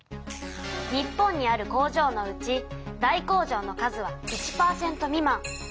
日本にある工場のうち大工場の数は１％未満。